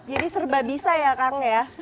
jadi serba bisa ya kang ya